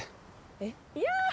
「えっ？」